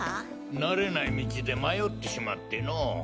慣れない道で迷ってしまってのぉ。